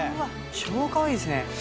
超かわいいっすね。